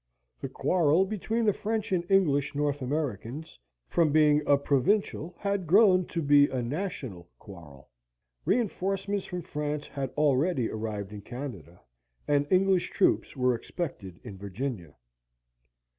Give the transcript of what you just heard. The quarrel between the French and English North Americans, from being a provincial, had grown to be a national, quarrel. Reinforcements from France had already arrived in Canada; and English troops were expected in Virginia.